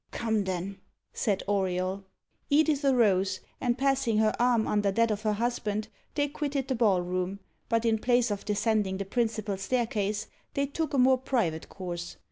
"Come, then," said Auriol. Edith arose, and passing her arm under that of her husband, they quitted the ball room, but in place of descending the principal staircase, they took a more private course.